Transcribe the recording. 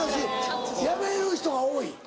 辞める人が多い。